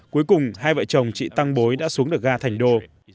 cuối cùng hai vợ chồng chị tăng bối đã xuống được ga thành đô